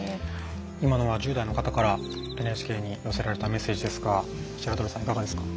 今のは１０代の方から寄せられたメッセージですが白鳥さん、いかがですか？